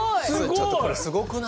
ちょっとこれすごくない？